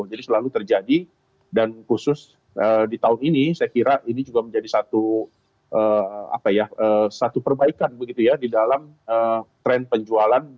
jadi selalu terjadi dan khusus di tahun ini saya kira ini juga menjadi satu apa ya satu perbaikan begitu ya di dalam tren penjualan